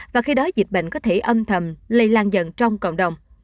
và khi đó dịch bệnh có thể âm thầm lây lan dần trong cộng đồng